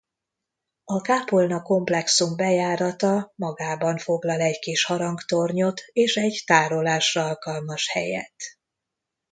A kápolna komplexum bejárata magában foglal egy kis harangtornyot és egy tárolásra alkalmas helyet.